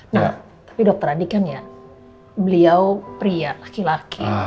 nah tapi dokter andi kan ya beliau pria laki laki